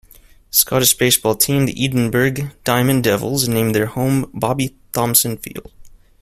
Scottish baseball team, the Edinburgh Diamond Devils, named their home Bobby Thomson Field.